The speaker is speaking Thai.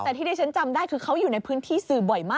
แต่ที่ที่ฉันจำได้คือเขาอยู่ในพื้นที่สื่อบ่อยมาก